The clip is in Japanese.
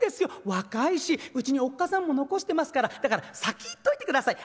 若いしうちにおっ母さんも残してますからだから先行っといてください。